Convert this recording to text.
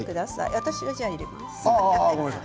私が入れます。